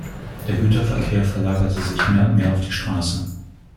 Der Güterverkehr verlagerte sich mehr und mehr auf die Straße.